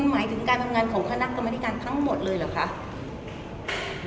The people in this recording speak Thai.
หมายถึงการทำงานของคณะกรรมนิการทั้งหมดเลยเหรอคะ